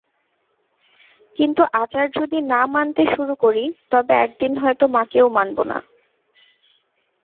কিন্তু আচার যদি না মানতে শুরু করি তবে একদিন হয়তো মাকেও মানব না।